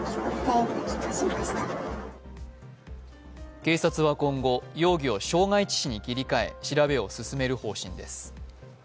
警察は今後、容疑を傷害致死に切り替え、調べを進める方針です。